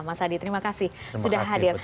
mas adi terima kasih sudah hadir